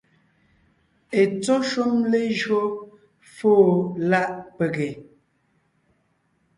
Etsɔ́ shúm lejÿo fóo láʼ pege,